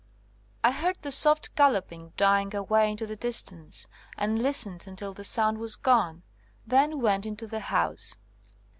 I heard the soft gal loping dying away into the distance, and lis tened until the sound was gone, then went into the house.